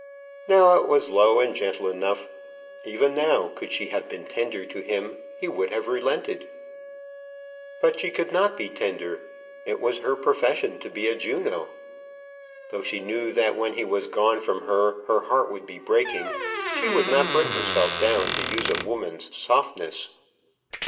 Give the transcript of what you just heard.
Now it was low and gentle enough. Even now, could she have been tender to him, he would have relented. But she could not be tender. It was her profession to be a Juno. Though she knew that when he was gone from her her heart would be breaking, she would not bring herself down to use a woman's softness.